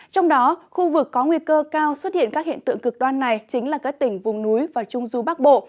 trong đó khu vực có nguy cơ cao xuất hiện các hiện tượng cực đoan này chính là các tỉnh vùng núi và trung du bắc bộ